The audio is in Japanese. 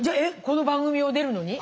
この番組を出るのに？